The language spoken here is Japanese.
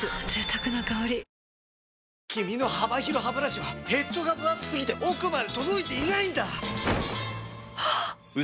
贅沢な香り君の幅広ハブラシはヘッドがぶ厚すぎて奥まで届いていないんだ！